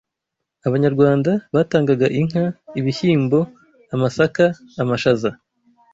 Abanyarwanda batangaga inka, ibishyimbo, amasaka, amashaza